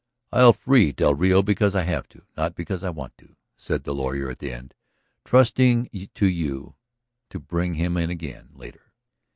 "I'll free del Rio because I have to, not because I want to," said the lawyer at the end. "Trusting to you to bring him in again later.